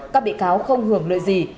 các bị cáo không hưởng lợi gì